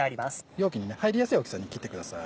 容器に入りやすい大きさに切ってください。